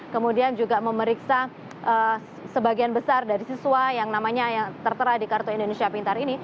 kemudian juga memeriksa sebagian besar dari siswa yang namanya yang tertera di kartu indonesia pintar ini